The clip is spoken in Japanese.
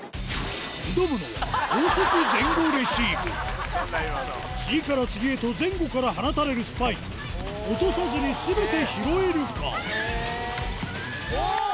挑むのは次から次へと前後から放たれるスパイク落とさずに全て拾えるか？